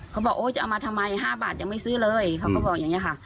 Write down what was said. เขาบอกโอ๊ยจะเอามาทำไม๕บาทยังไม่ซื้อเลยเขาก็บอกอย่างนี้ค่ะ